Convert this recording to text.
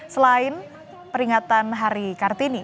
selain peringatan hari kartini